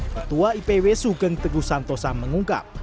ketua ipw sugeng teguh santosa mengungkap